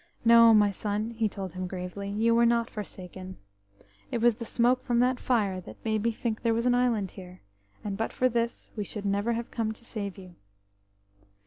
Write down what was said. "No, my son," he told him gravely, "you were not forsaken. It was the smoke from that fire that made me think there was an island here, and but for this we should never have come to save you."